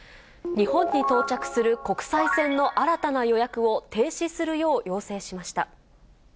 日本に到着する国際線の新たな予約を停止するよう要請しました。